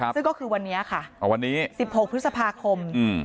ซึ่งก็คือวันนี้ค่ะอ่าวันนี้สิบหกพฤษภาคมอืม